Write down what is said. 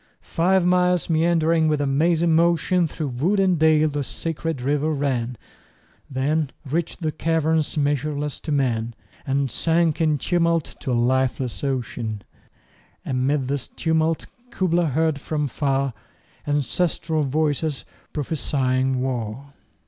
Five miles meandering with a mazy motion 25 Through wood and dale the sacred river ran, Then reach'd the caverns measureless to man, And sank in tumult to a lifeless ocean: And 'mid this tumult Kubla heard from far Ancestral voices prophesying war!